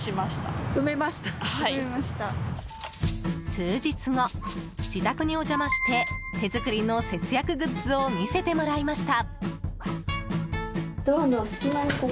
数日後、自宅にお邪魔して手作りの節約グッズを見せてもらいました。